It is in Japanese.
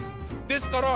ですから。